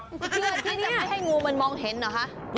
เพื่อที่จะไม่ให้งูมันมองเห็นเหรอคะ